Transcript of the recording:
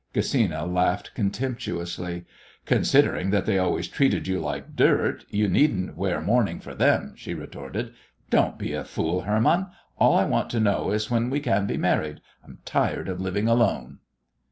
Gesina laughed contemptuously. "Considering that they always treated you like dirt, you needn't wear mourning for them," she retorted. "Don't be a fool, Hermann. All I want to know is when we can be married? I'm tired of living alone."